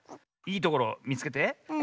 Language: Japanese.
いいところみつけて。